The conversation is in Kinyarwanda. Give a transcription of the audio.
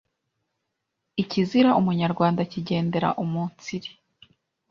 Ikizira Umunyarwanda akigendera umunsire